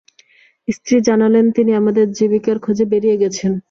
স্ত্রী জানালেন, তিনি আমাদের জীবিকার খোঁজে বেরিয়ে গেছেন।